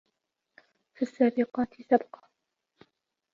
فَالسّابِقاتِ سَبقًا